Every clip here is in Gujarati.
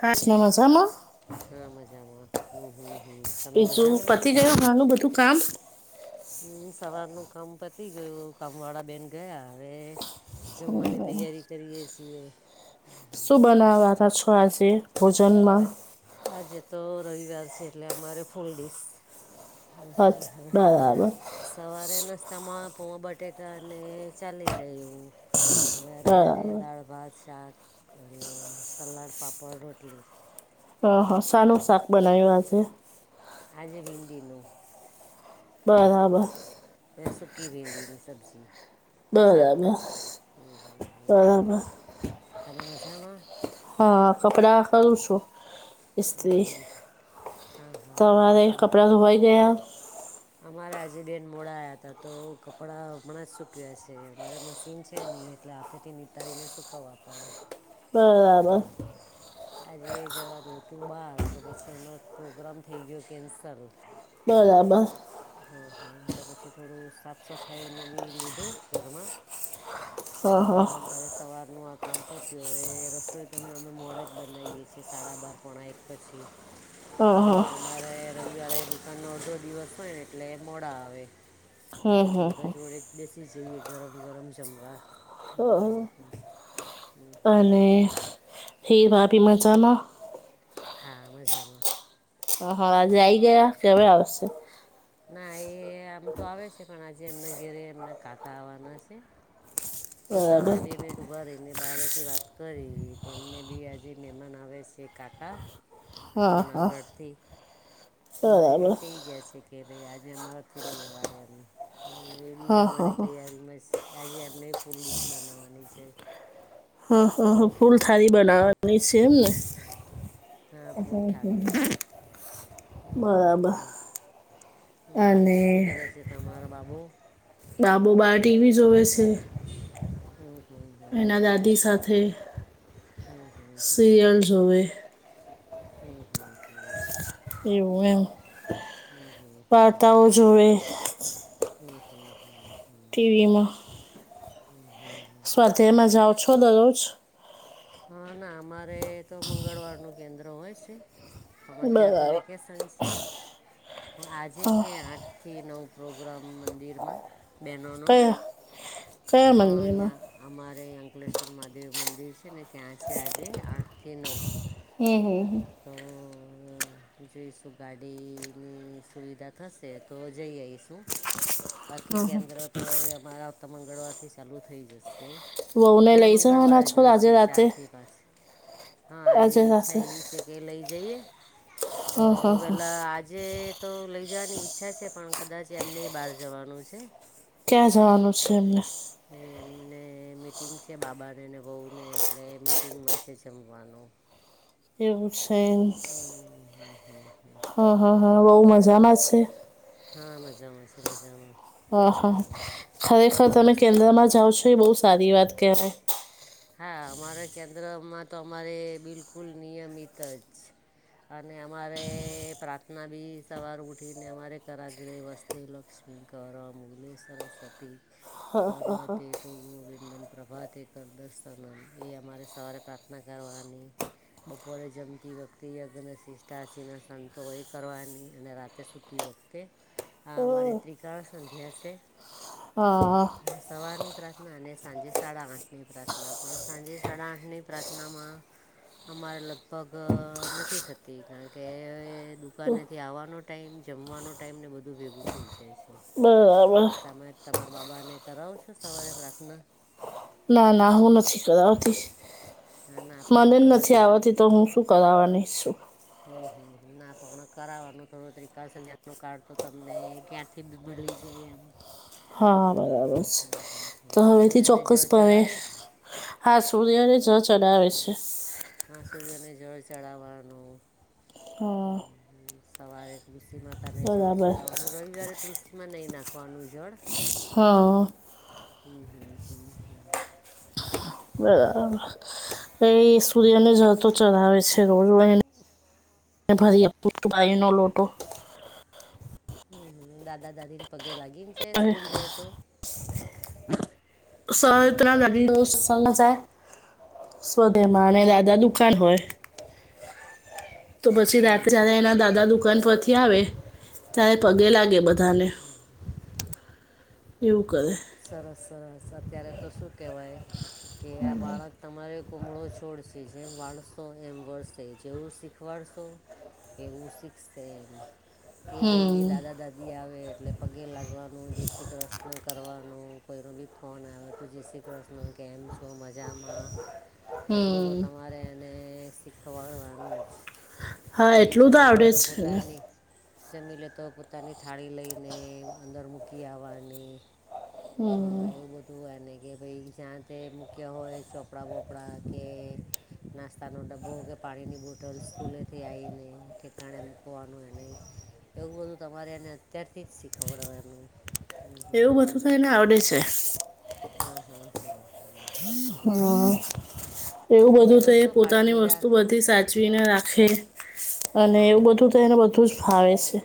હાંચનોમાં છ મ? હા મજામાં હમ હમ હમ, તમે મજામાં? હનું બધું કામ. હમ સવારનું કામ પતી ગયું કામ વાળા બેન ગયા હવે જમવાની તૈયારી કરીએ છીએ. શું બનાવાના છો આજે ભોજનમાં? આજ આજે તો રવિવાર છે એટલે અમારે ફૂલડીશ. હા હા અચ્છ હા. બરાબર સવારે નાસ્તામાં પોણ બટેકા અને ચાલી જાય એવું. હવે અત્યારે બરાબર દાળ ભાત શાક, અને સલાડ પાપડ રોટલી. હ હા સાનું શાક બનાવ્યું આ છે? આજે ભિદિનું. બરાબર. અને સુકકી પી એની સબ્જી. શાક બરાબર હમ્મ હમ્મ હમ્મ, બરાબર તમે મજામાં? હા કપડા કરું છું. ઇસત્રી, હા હા હા તોરે તમે કપડા ધોવાઈ ગયા? અમારે આજે બેન મોડા આયા હતા તો કપડાં હમણાં જ સૂક્યા છે અમારે મશીન છે નહી એટલે તેથી નીતારીને સુકવવા પડે. હા. હમ્મ. આજે જવાનું હતું બહાર તો પછી અમારો પ્રોગ્રામ થઈ ગયો કેન્સલ. બરાબર. હ હ એટલે પછી થોડું સાફ સફાઈનું બી લીધું ઘરમાં. હા હા એટલે સવારનું આ કામ પત્યું એ ર તો તમે અમે મોડા જ બનાવીએ છીએ સાડા બાર પોણા એક પછી, હા કારમ હા કે મારે રવિવારે દુકાનનો અડધો દિવસ હોય ને એટલે મોડા આવે. એટલે હમ પછી હમ બધા જોડેજ બેસી જઈએ ગરમ ગરમ જમવા. હમ્મ હમ્મ હમ્મ હમ્મ હમ્મ હમ્મ. હે ભાભી મજામાં. હા મજામાં. હ હા આજે આઇ ગયા કે હવે આવશે. ના એ આમ તો આવે છે પણ આજે એમના ઘરે એમના કાકા આવવાના છે. તો બરાબર સવારે બે મિનટ ઉભા રહીને બહારેથી વાત કરી તેમને બી આજે મહેમાન આવે છે કાકા. [inaudible] હા જુનાગઢથી. તો એ બરાબર કહી ગયા છે કે ભાઈ આજે અમારાથી નહીં અવાય એમ હ એ બી હા હા જમવાની હા તૈયારીમાં જ આજે એમને ફૂલ લિસ્ટ બનાવવાની છે. હા હ હ હમ ફૂલ હમ હમ થાળી બનાવાની છે એમને. હા ફૂલ થાળી હમ્મ હમ્મ બરાબર હમ્મ. હમ્મ હમ્મ અને શું કરે છે તમારા બાબો બાબો બાર ટીવી જોવે છે. હમ્મ એના દાદી હમ્મ સાથે હમ્મ હમ્મ. સિરિયલ હમ્મ જોવે હમ્મ હમ્મ. [unintelligible] એવું એમ વાર્તાઓ જોવે. હમ્મ હમ્મ હમ્મ. ટીવી માં. હમ્મ હમ્મ હમ્મ આજે [unintelligible] હા ના અમારે તો મંગળવાર નો કેન્દ્ર હોય છે. અત્યારે તો બરાબર વેકેશન છે પણ આજે છે આ થી નવ પ્રોગ્રામ મંદિરમાં બહેનો અ કયા કયા મંદિરમાં અહીંયા અમારે અંકલેશ્વર મહાદેવ મંદિર છે ને ત્યાં છે આજે આઠથી નવ હમ્મ હમ્મ હ. તો. જોઈશું ગાડીની સુવિધા થશે તો જઈ આવીઈશું. બાકી કેન્દ્ર તો હવે અમારાત્ત મંગળવારથી ચાલુ થઈ જશે. તે વહુને દર લઈ જવાના મંગળવારે છો જોય આજે છે રાતે ચારથી પાંચ હા આજે ઈચ્છા એવી છે કે લઈ જઈએ હ તો હ હ પેલા આજ જે તો લઈ જવાની ઈચ્છા છે પણ કદાચ એમને બહાર જવાનું છે ક્યાં જવાનું છે એમને એ એમને મિટિંગ છે બાબાને ને વહુને એટલે મિટિંગમાં છે જમવાનું એવુ છે એમ હમ હ હ હ હા હા હા બહુ મજામાં છે. હા મજામાં છે મજામાં હમ હહા હમ ખરેખર તમે કેન્દ્રમાં જાઓ છો એ બહુ સારી વાત કહેવાય હા અમારા કેન્દ્રમાં તો અમારે બિલકુલ નિયમિત જ અને અમારે પ્રાર્થના બી સવાર ઉઠીને અમારે કરાગે રે વસતે લક્ષ્મી કર મુલે સરરસ્વતી કર મધ્ય તુ ગોવિંદન પ્રભાતે કર દસનમ તો એ અમારે સવારે પ્રાર્થના ગાવાની. બપોરે જમતી વખતે યજ્ઞ શિષ્ટાસિના સંતો એ કરવાની અને રાતે સુતી વખતે. તે આ મારી ત્રિકાળ સંધ્યા છે. હ. અને સવારની પ્રાર્થના અને સાંજે સાડા આઠ ની પ્રાર્થના. ના પણ સાંજે સાડા આઠની પ્રાર્થનામાં અમારે લગભગ નથી થતી કારણ કે દુકાનેથી આવવાનો ટાઈમ જમવાનો ટાઈમ ને બધું ભેગું થઈ જાય છે. બ તમે તમારા બાબાને કરાવો છો સવારે પ્રાર્થના? ના ના હું નથી કરાવતી, ના ના પણ મને તો નથી થો- આવડતી તો હું શું કરાવાનીશું? હમ હમ ના પણ કરાવવાનું થોડું ત્રિકાળ સંધ્યા નાનું કાર્ડ તો તમને ક્યાં કથ મલી જાય એમ. હા બરાબર છે, તો હવેથી સૂર્યને જળ ચોક્કસપણે ચડાવે હા સૂર્યને જળ ચડાવે છે. હા સૂર્યને જળ ચઢાવવાનું, હા સવારે સીમાં તાને જળ બરાબર ચડાવવાનું રવિવારે તુલસી માં નહી નાખવાનું જળ. હા. હમ હમ હમ હમ. બરાબર, એ સૂર્યને જળતો ચઢાવે છે રોજ. ભરી પુભાઈ નો લોટો. હમ દાદા દાદી ને પગે લાગીને જાય સ્કૂલ જાય તો? હમ સત્રા નદીનું સમાચાર. સ્વધેમા અને દાદા હમ દુકાન હોય. તો પછી હમ રાતેે જ્યારે એના દાદા દુકાન પરથી આવે, ત્યારે પગે લાગે બધા. તાને, એવું કરે. સરસ સરસ અત્યારે તો શું કહેવાય. કે આ બાળક તમારે કુમળો છોડશે. જેમ વાળશો એમ વળસે જેવું શીખવાડશો. એવું શિખસે એમાં. કે ભાઈ હમ એ દાદા દાદી આવે એટલે પગે લાગવાનું જય શ્રી કૃષ્ણ કરવાનું. નો કોઈ નો બી ફોન આવે તો જય શ્રી કૃષ્ણ કેમ છો. તો મજામાં, એટલું તો હમ તમારે એને શીખવાડવાનું જ. હા કે એટલું જમી લે આવડે તો જ છે ને પોતાની જ. જમી લે તો પોતાની થાળી લઈને અંદર મૂકી આવવાની. હા એવ બ ત એને કે ભાઈ જાયાતે મૂક્ય હોય ચોપડાં બોપડાં કે નાસ્તાનો ડબ્બો કે પાણીની બોટલ સ્કૂલેથી આવીને ઠેકાણે મૂકવાનું એને. એવું બધું તમારે એને અત્યારથી જ શીખવાડવાનું. હમ હમ. એવું બધું થ એને આવડે છે. હા હા હા હા. એવું બધું થઈ પોતાની વસ્તુ બધી સાચવીને રાખે. અને હા એવું હા બધું તો હા એને બધું જ ભાવે છે.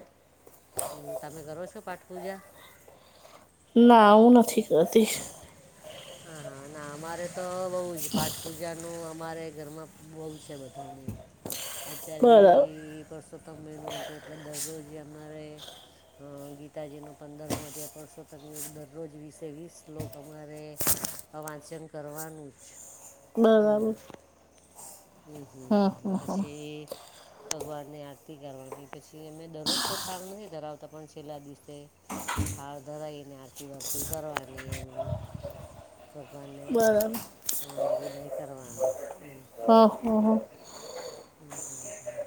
હમ તમે કરો છો પાઠપૂજા? ના હું નથી કરતી હ હા ના અમારે તો બઉ જ પાઠ પૂજા અમારે ઘરમાં બહુ છે બધાને અત્યાર બરાબર બી વષો તમેનું આપ્યું એટલે દરરોજ અમારે હ ગીતાજીનો પંદરમો અધ્યાય પરસોત્તમ યોગ દરરોજ વીસે વીસ શ્લોક અમારે વાંચન કરવાનું જ બરાબર એવું હમ હમ હ પછી ભગવાન ને આરતી કરવાની પછી અમે દરરોજ તો થાળ નથી ધરાવતા પણ છેલ્લા દિવસે થાળ ધરાઈને આરતી બારતી કરવાની એમ ભગવાનને બરાબર અ વિદાય કરવાના એમ હહહ ઓહા હા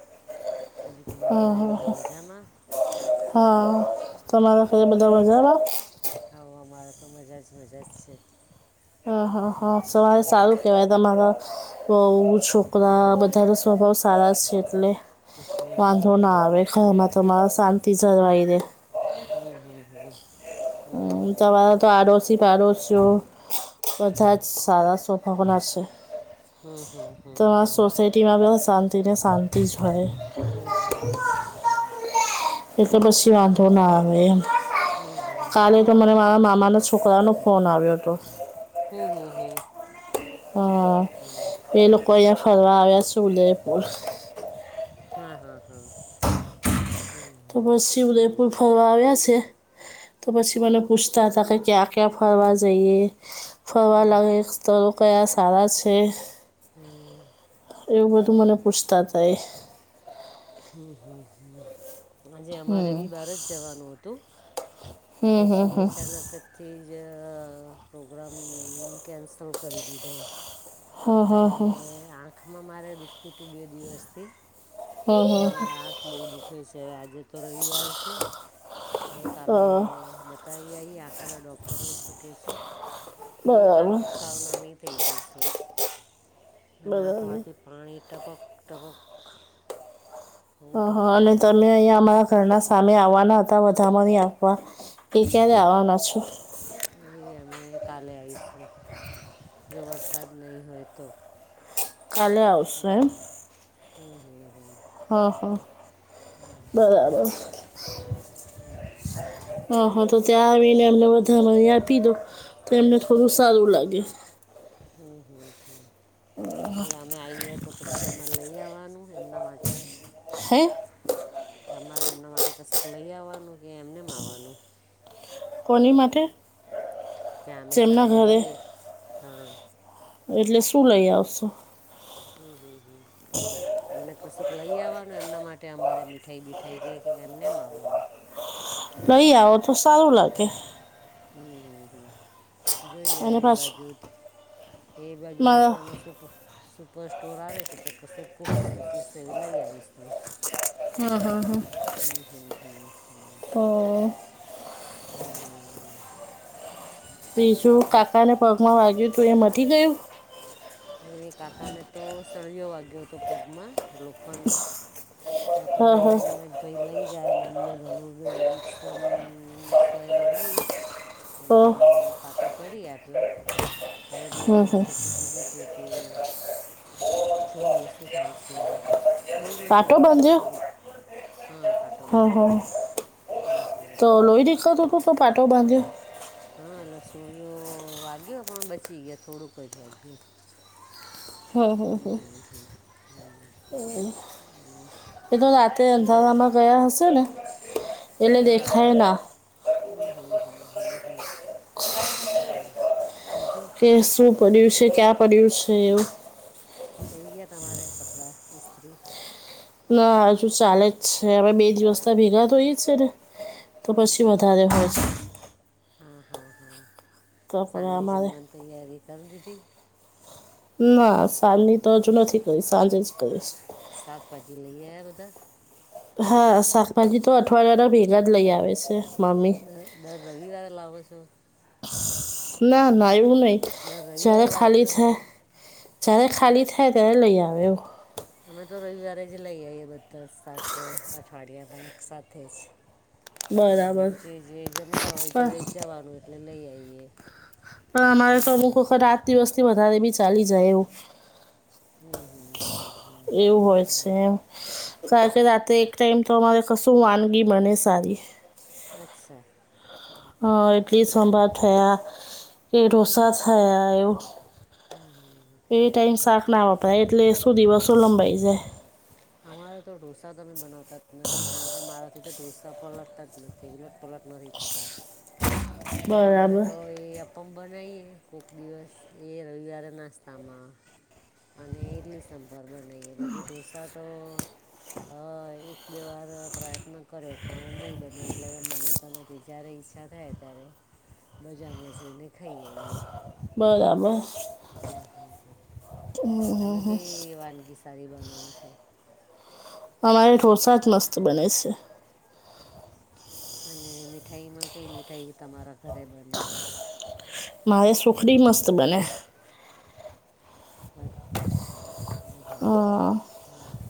હમ હ હ હા તમારા ઘરે બધા મજામાં આવ અમારે તો મજા જ મજા જ છે. હ હ હા સવારે સારું કહેવાય મારા બહુ છોકરા બધાનો સ્વભાવ સારા છે એટલે હમ, હમ, વાંધો ના હમ. આવે ઘરમા તમારી શાંતિ જળવાઈ રે હમ હમ હમ હમ તમારા તો આડોશી પાડોશ્યો બધા જ સારા સ્વભાવના છે હમ, હમ, હમ. હમ, હમ, હમ. હમ, તમારા સોસાયટીમાં બહુ શાંતિ ને શાંતિ જ હોય હમ હમ હમ હમ એટલે પછી વાંધો ના આવે એમ હમ, હમ. કાલે મને મારા મામાના છોકરા નો ફોન આવ્યો હતો હમ હમ હ હા એ લોકો અહંયા ફરવા આવ્યા છે ઉદયપુર હા હા હા હ હ હ આવ્યા છે તો પછી મને પૂછતા હતા કે ક્યાં ક્યાં ફરવા જઈએ ફરવા હમ. લાગે સ્તરો કયા સારા છે હમ એવું બધું મને પૂછતા તા એ હમ હમ હમ આજે અમારે બી બહાર જ જવાનું હતું પછી અચાનક તેથી જ અ પ્રોગ્રામ કેન્સલ કરી દીધો હા હા કારણ કે હા આંખમાં મારે દુખતું તું બે દિવસથી હા તો આંખ બહુ દુઃખે છે હવે આજે તો રવિવાર છે હવે કાલે હા બ બતાઈ આઈએ આંખના ડોક્ટરને શું કે છે એક બરાબર આંખ નાની થઈ ગઈ છે. અને બરાબર આંખમાંથી પાણી ટપક ટપક બહુ હહ ટપક્યા અને કરે તમે અહીયાં આમાં ઘરના સામે આવવાના હતા વધામણી આપવા એ ક્યારે આવવાના છો એ અમે કાલે આઈશું જો વરસાદ નહીં હોય તો કાલે આવું હું, હું, હું, હું હા હા, બરાબર. હહાતો ત્યાં આવીને અમને વધામાં આપીદો. તો એમને થોડું સારું લાગે છે. હું હું હું, તમને મેં આઈ તો કશું કમારે લઈ આવવાનું એમના માટે? હે? અમારે એમના માટે કશુંક લઈ આવવાનું કે એમનેમ આવવાનું? કોની માટે? ક્યાં અમે જેમના સામે ઘરે આઈએ, હા. એટલે શું લઈ આવશો? હું હું હું. એમને કશુંક લઈ આવવાનું એમના માટે અમારે મીઠાઈ બીઠાઈ કે એમનેમ આવવાનું? લહી આઓ તો સારું લાગે. હું હું હું. જોઈ અને હવે એ પાછું બાજુએ, બાજુ મારા રસ્તામાં શું સુપર સ્ટોર આવે છે, તો કશું કિસ મૂકીશ એવું લઈ આવીશુ. હું હું હું. અ, હું. ત્રીજું કાકાને પગમાં વાગ્યું હતું એ મટી ગયું? એ કાકાને તો સળિયો વાગ્યો હતો પગમાં લોખંડનો. તો તો હા હા તૈયારીમાં પહેલ ગયા અને ધનુ ઇન્જેક્શન સોય મારાય. એ તો ફાટો કરી આપ્યો, ઘણે બે હમ દિવસ હમ પછી કીધું હું છે, કે જોઈએ શું થાય છે, એમ બહુ નથી પાટો વાગ્યું. હું બાંધ્યો થોડુંક, હા પાટો હમ બાંધી, હમ હું હું. [unintelligible] તો પાટો બાંધ્યો? હા લસોળિયો વાગ્યો પણ બચી ગયો થોડુંક જ વાગ્યું. હમ હમ હું હમ હું હ હું. એ તો રાતે હું થજો. અંધારામાં ગયા હશે ને, એટલે દેખાયના. હ હું હું હું હ, હ બીજું. એશું પડ્યું છે ક્યાં પડ્યું છે એવું. થઈ ગયા તમારે કપડાં ઇસ્ત્રી? ના હજુ ચાલે જ છે, હવે બે દિવસતા ભેગા થઈ છે ને. તો પછી વધારે હોય છે. હા હા હા સાંજ કપડા અમારે જમવાની તૈયારી કરી દીધી. ના સાંજની તો હજુ નથી કરીશ સાંજે જ કરીશ. શાકભાજી લઈ આ બધા? હા, શાકભાજી તો અઠવાડિયાના ભેગા જ લઈ આવે છે મમ્મી. દર રવિવારે લાવો છો? ના ના એવું નહીં, દર જ્યારે રવિવારે લાવો ખાલી છો છે. જ્યારે ખાલી થાય ત્યારે લઈ આવે એવું. અમે તો રવિવારે જ લઈ આવીઈ એ બધા સાાક અઠવાડિયામાં એક સાથે જ. [inaudible] હું, બરાબર હું જે જે ગમતા હોય પણ જોડે જ જવાનું એટલે લઈ આઈએ. પણ અમારે તો અમુક વખત આઠ દિવસથી વધારે ભી ચાલી જાય એવું. હું હું હું. એવું હોય છે એમ, કારણ કે રાતે એક ટાઈમ તો અમારે કશું વાનગી બને સારી. અચ્છા. હ ઇડલી સાભાર થયા, કે ઢોસા થયા એવું. હમ હમ. એ ટાઈમ શાક ના વપરાય એટલે સુધીવસો લંબાઈ જાય. અમારે તો ઢોસા તમે બનાવતા જ નથી કારણ કે મારાથી તો ઢોસા પણ લડતા જ નથી. તે ઉલટ પલટ નથી થતા. [inaudible] એટલે અમે બરાબર તો એ મ બનાવીએ કોક દિવસ એ રવિવારે નાસ્તામાં. અને ઇડલી સંભાર બનાવીએ બધી ઢોસા તો હ એક બે વાર પ્રયત્ન કર્યો પણ નહી બને એટલે હમ બનાવતા નથી. કે જ્યારે ઈચ્છા થાય ત્યારે, મજા મચને ખાઈ જઈએ. બરાબર. હમ હમ. તમે કઈ વાનગી સારી બનાવો છો? અમા એક વરસાત મસ્ત બન છે. અને મીઠાઈમાં કઈ મીઠાઈ તમારા ઘરે બને? મા એ સુખડી મસ્ત બને. અચ્છા હા હા હા હ.